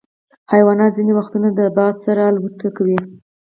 حیوانات ځینې وختونه د باد سره الوت کوي.